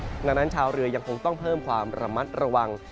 ดังนั้นชาวเรือยังคงต้องเพิ่มความระมัดระวัง